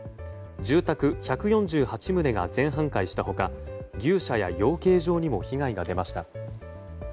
住宅１４８棟が全半壊した他牛舎や養鶏場にも被害が出ました。